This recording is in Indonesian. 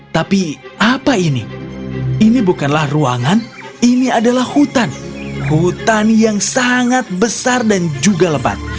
tapi apa ini ini bukanlah ruangan ini adalah hutan hutan yang sangat besar dan juga lebat